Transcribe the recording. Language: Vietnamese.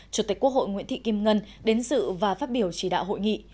chủ tịch quốc hội nguyễn thị kim ngân đến dự và phát biểu chỉ đạo hội nghị